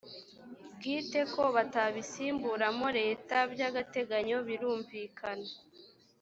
bwite ko batabisimburamo leta by agateganyo birumvikana